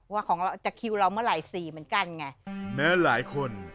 ว่าของเราจะคิวเราเมื่อไหร่สีเหมือนกันไงแม้หลายคน